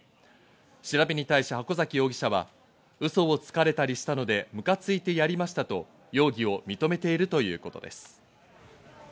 調べに対し、箱崎容疑者は嘘をつかれたりしたので、むかついてやりましたと容疑を認めているということです。